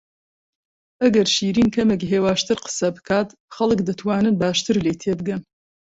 ئەگەر شیرین کەمێک هێواشتر قسە بکات، خەڵک دەتوانن باشتر لێی تێبگەن.